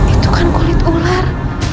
itu kan kulit ular